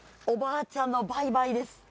おばあちゃんのバイバイです。